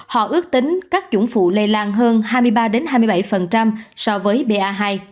họ ước tính các chủng phụ lây lan hơn hai mươi ba hai mươi bảy so với ba hai